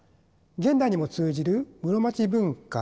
現代にも通じる室町文化